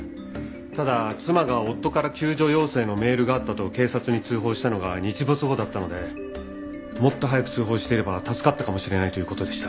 ただ妻が夫から救助要請のメールがあったと警察に通報したのが日没後だったのでもっと早く通報していれば助かったかもしれないという事でした。